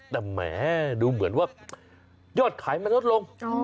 แต่แหมดูเหมือนว่ายอดขายมันลดลง